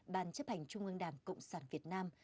ban chấp hành trung ương đảng cộng sản việt nam